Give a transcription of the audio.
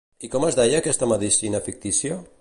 I com es deia aquesta medicina fictícia?